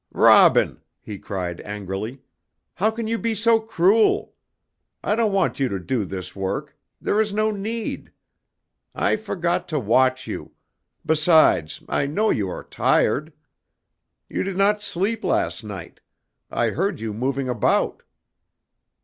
"Robin," he cried angrily, "how can you be so cruel! I don't want you to do this work; there is no need. I forgot to watch you; besides, I know you are tired. You did not sleep last night; I heard you moving about."